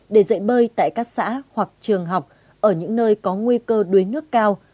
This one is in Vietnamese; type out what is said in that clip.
để dạy bơi tại các xã hoặc trường học ở những nơi có nguy cơ đuối nước cao